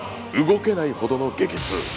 動けないほどの激痛。